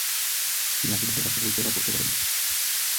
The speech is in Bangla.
তিনি আটটি ভাষায় কথা বলতে বা পড়তে পারতেন।